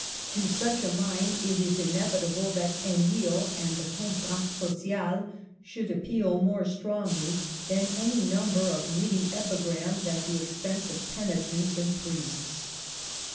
To such a mind it was inevitable that EmilezxA the Contrat Social should appeal more strongly than any number of witty epigrams at the expense of penitents and priests.